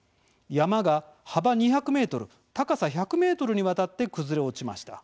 山が幅２００ｍ、高さ１００ｍにわたって崩れ落ちました。